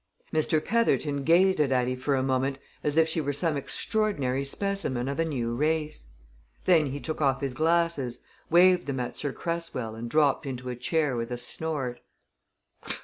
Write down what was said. Mr. Petherton gazed at Addie for a moment as if she were some extraordinary specimen of a new race. Then he took off his glasses, waved them at Sir Cresswell and dropped into a chair with a snort.